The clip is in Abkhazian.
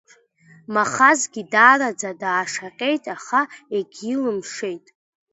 Махазгьы даараӡа даашаҟьеит, аха егьилымшеит.